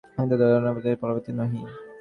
আমি কি দাদার অন্নেই প্রতিপালিত নহি।